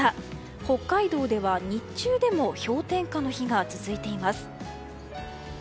北海道では日中でも氷点下の日が続いています。